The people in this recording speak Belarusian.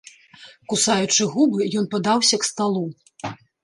Кусаючы губы, ён падаўся к сталу.